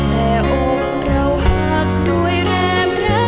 แม้อกเราหักด้วยแรมรักละ